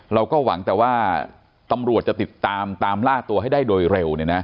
เราก็หวังแต่ว่าตำรวจจะติดตามตามล่าตัวให้ได้โดยเร็ว